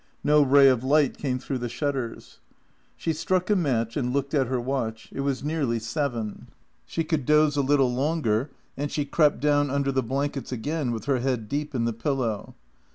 No ray of light came through the shutters. She struck a match and looked at her watch — it was nearly seven. She could doze a little longer, and she crept down under the blankets again, with her head deep in the pillow.